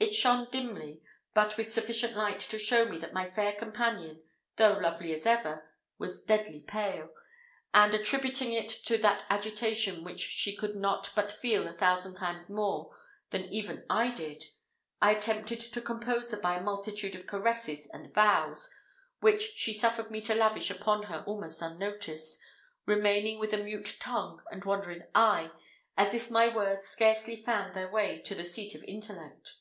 It shone dimly, but with sufficient light to show me that my fair companion, though lovely as ever, was deadly pale; and, attributing it to that agitation which she could not but feel a thousand times more than even I did, I attempted to compose her by a multitude of caresses and vows, which she suffered me to lavish upon her almost unnoticed, remaining with a mute tongue and wandering eye, as if my words scarcely found their way to the seat of intellect.